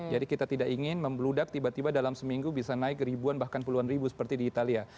kita tidak ingin membeludak tiba tiba dalam seminggu bisa naik ribuan bahkan puluhan ribu seperti di italia